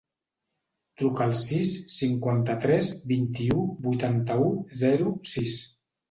Truca al sis, cinquanta-tres, vint-i-u, vuitanta-u, zero, sis.